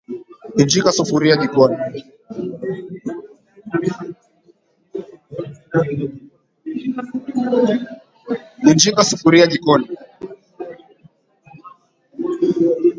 injika sufuria jikoni